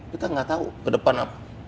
kita nggak tahu ke depan apa